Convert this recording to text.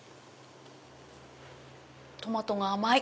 トマトが甘い！